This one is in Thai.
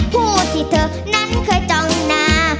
ผู้ที่เธอนั้นเคยจองหน้า